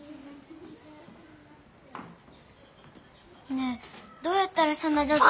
ねえどうやったらそんなじょうずに。